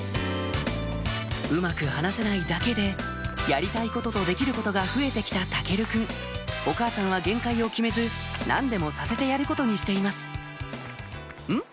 うまく話せないだけでやりたいこととできることが増えて来た岳琉くんお母さんは限界を決めず何でもさせてやることにしていますうん？